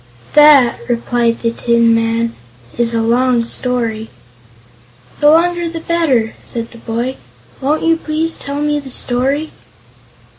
"That," replied the tin man, "is a long story." "The longer the better," said the boy. "Won't you please tell me the story?"